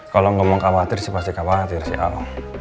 kalau nggak mau khawatir sih pasti khawatir sih al